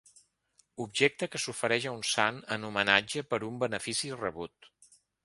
Objecte que s'ofereix a un sant en homenatge per un benefici rebut.